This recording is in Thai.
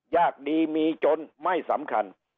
ยากดีมีจนไม่สำคัญ